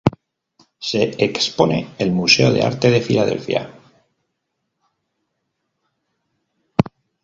Se expone el Museo de Arte de Filadelfia.